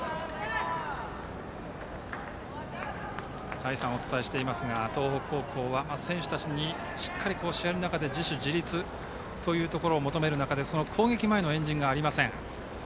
再三お伝えしていますが東北高校は、選手たちにしっかり、試合の中で自主自立というところを求める中で攻撃前の円陣がありません。